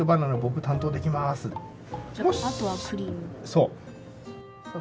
そう。